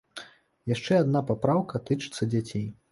Яшчэ адна папраўка тычыцца дзяцей.